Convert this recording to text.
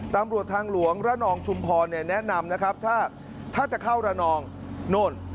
ตำรวจทางหลวงระนองชุมพรแนะนำนะครับถ้าจะเข้าระนองโน่น